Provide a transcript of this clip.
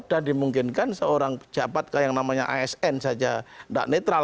dan dimungkinkan seorang pejabat yang namanya asn saja nggak netral